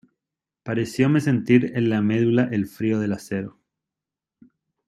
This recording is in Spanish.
parecióme sentir en la medula el frío del acero: